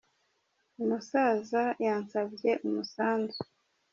Umusaza yansabye umusanzu